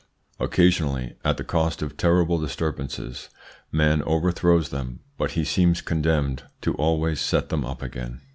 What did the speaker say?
Occasionally, at the cost of terrible disturbances, man overthrows them, but he seems condemned to always set them up again.